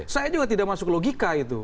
saya juga tidak masuk logika itu